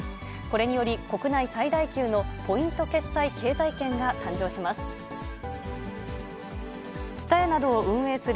これにより、国内最大級のポイント決済経済圏が誕生します。